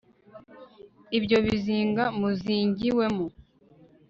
ibyo bizinga muzingiwemo